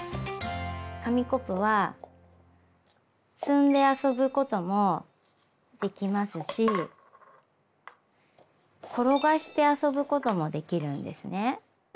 紙コップは積んで遊ぶこともできますし転がして遊ぶこともできるんですね。